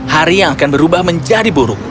hari yang akan berubah menjadi buruk